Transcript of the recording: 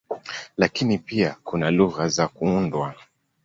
Lakini pia kuna lugha za kuundwa.